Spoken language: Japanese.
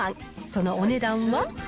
そのお値段は。